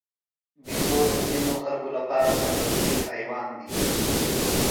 بیزو د ځینو خلکو لپاره ساتندوی حیوان دی.